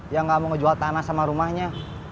yang gak mau ngejual tanah sama rumahnya